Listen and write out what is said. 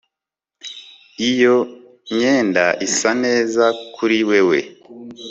Iyo myenda isa neza kuri wewe